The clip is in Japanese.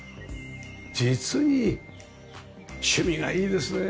実に趣味がいいですねえ。